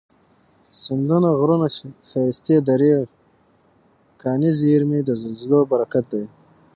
سیندونه، غرونه، ښایستې درې، کاني زیرمي، د زلزلو برکت دی